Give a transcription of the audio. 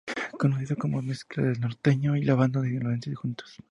Conocido como la mezcla del norteño y la banda sinaloense juntos.